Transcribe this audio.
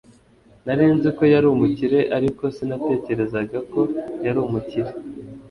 Nari nzi ko yari umukire ariko sinatekerezaga ko yari umukire